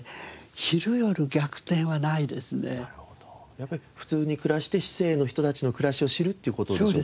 やっぱり普通に暮らして市井の人たちの暮らしを知るっていう事でしょうか？